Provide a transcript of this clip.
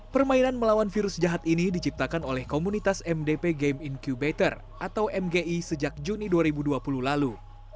permainan melawan virus jahat ini diciptakan oleh komunitas mdp game incubator atau mgi sejak juni dua ribu dua puluh lalu